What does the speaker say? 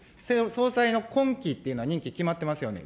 総裁の今期というのは任期決まっていますよね。